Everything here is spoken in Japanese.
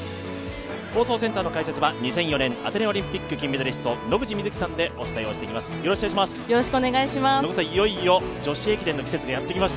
放送センターの解説は２００４年アテネオリンピック金メダリスト野口みずきさんでお伝えしていきます。